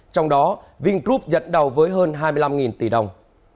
trong đó vingroup nhận đầu với hơn hai mươi năm tỷ đồng